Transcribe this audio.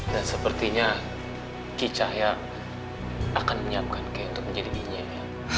dan sepertinya ki cahya akan menyiapkan kay untuk menjadi inyek